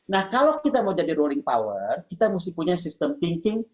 nah kalau kita mau jadi ruling power kita mesti punya sistem thinking